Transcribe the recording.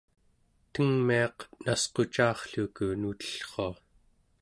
tengmiaq nasquca'arrluku nutellrua